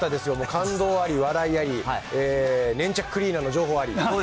感動あり、笑いあり、粘着クリーナーの情報あり。